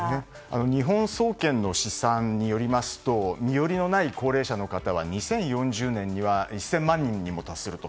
日本総研の試算によりますと身寄りのない高齢者の方は２０４０年には１０００万人にも達すると。